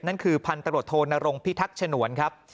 นั่นคือพันตรวจโทนรงพิทักษ์ฉนวนครับ